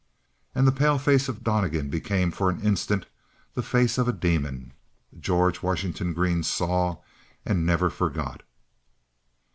And the pale face of Donnegan became for an instant the face of a demon. George Washington Green saw, and never forgot.